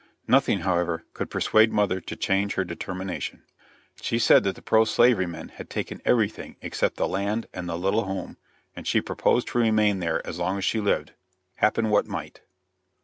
Nothing, however, could persuade mother to change her determination. She said that the pro slavery men had taken everything except the land and the little home, and she proposed to remain there as long as she lived, happen what might.